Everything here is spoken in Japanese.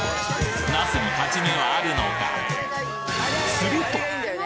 なすに勝ち目はあるのか？